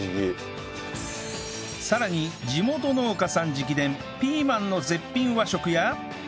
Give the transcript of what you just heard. さらに地元農家さん直伝ピーマンの絶品和食や